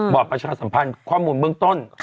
ประชาสัมพันธ์ข้อมูลเบื้องต้น